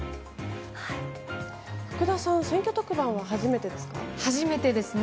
福田さん、選挙特番は初めて初めてですね。